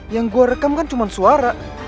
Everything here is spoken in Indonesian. yang gue rekam kan cuma suara